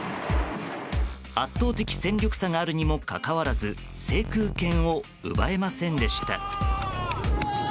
圧倒的戦力差があるにもかかわらず制空権を奪えませんでした。